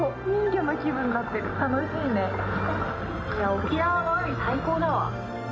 沖縄の海、最高だわ。